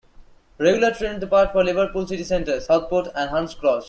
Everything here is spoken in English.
Regular trains depart for Liverpool city centre, Southport and Hunts Cross.